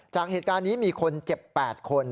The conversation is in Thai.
จากเหตุการณ์นี้มีคนเจ็บ๘คน